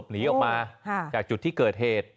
หนีออกมาจากจุดที่เกิดเหตุ